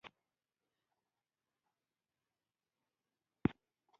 مځکه زموږ د ژوند کور ده.